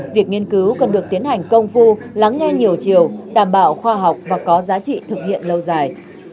việc nghiên cứu cần được tiến hành công phu lắng nghe nhiều chiều đảm bảo khoa học và có giá trị thực hiện lâu dài